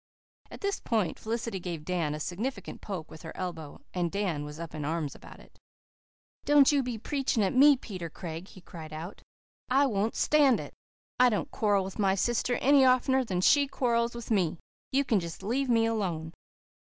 At this point Felicity gave Dan a significant poke with her elbow, and Dan was up in arms at once. "Don't you be preaching at me, Peter Craig," he cried out. "I won't stand it. I don't quarrel with my sister any oftener than she quarrels with me. You can just leave me alone."